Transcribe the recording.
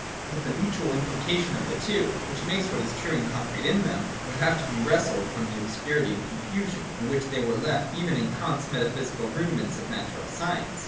But the mutual impli cation of the two, which makes what is true and con crete in them, would have to be wrested from the obscurity and confusion in which they were left even in Kant's Metaphysical Rudiments of Natural Science.